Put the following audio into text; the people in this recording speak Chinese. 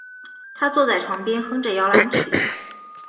她坐在床边哼着摇篮曲